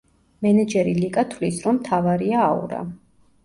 მენეჯერი ლიკა თვლის, რომ მთავარია აურა.